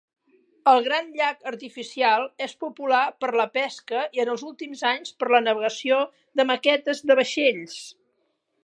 El gran llac artificial és popular per la pesca i, en els últims anys, per la navegació de maquetes de vaixells.